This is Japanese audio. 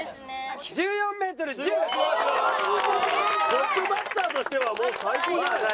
トップバッターとしてはもう最高じゃない？